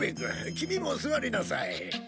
キミも座りなさい。